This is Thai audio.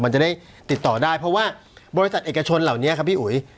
มันจะได้ติดต่อได้เพราะว่าบริษัทเอกชนเหล่านี้ครับพี่อุ๋ย